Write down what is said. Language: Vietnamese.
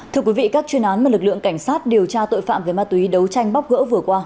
thưa quý vị các chuyên án mà lực lượng cảnh sát điều tra tội phạm về ma túy đấu tranh bóc gỡ vừa qua